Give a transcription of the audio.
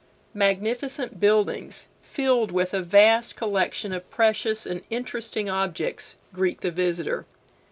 Magnificent buildings, filled with a vast collection of precious and interesting objects, greet the visitor.